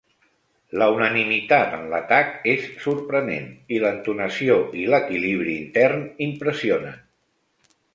La unanimitat en l'atac és sorprenent, i l'entonació i l'equilibri intern impressionen.